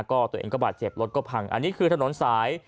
ก็ตัวเองก็บาดเจ็บรถก็พังอันนี้คือถนนสาย